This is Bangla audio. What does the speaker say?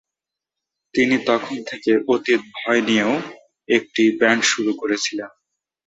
তিনি তখন থেকে অতীত ভয় নিয়েও একটি ব্যান্ড শুরু করেছিলেন!